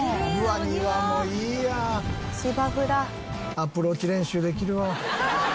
アプローチ練習できるわ。